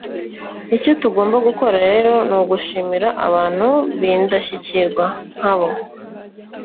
Icyo tugomba gukora rero ni ugushimira abantu bindashyikirwa nkabo”.